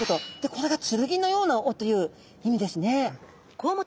これが剣のような尾という意味ですね。